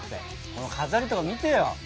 この飾りとか見てよ。